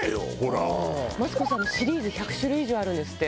マツコさんのシリーズ１００種類以上あるんですって。